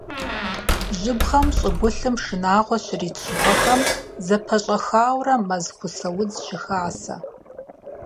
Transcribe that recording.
Жьыбгъэм щӀыгулъым шынагъуэ щрит щӀыпӀэхэм зэпэщӀэхаурэ мэз кусэ удз щыхасэ.